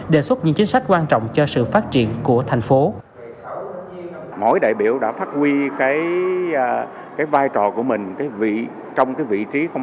đề xuất những chính sách quan trọng cho sự phát triển của thành phố